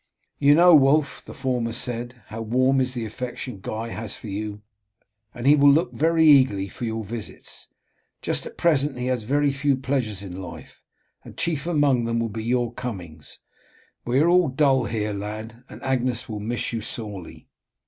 "You know, Wulf," the former said, "how warm is the affection Guy has for you, and he will look very eagerly for your visits. Just at present he has very few pleasures in life, and chief among them will be your comings. We are all dull here, lad, and Agnes will miss you sorely."